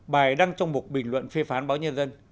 bài đăng trong một bình luận phê phán báo nhân dân